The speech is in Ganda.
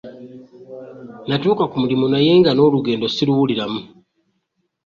Natuuka ku mulimu naye nga n'olugendo siruwuliramu.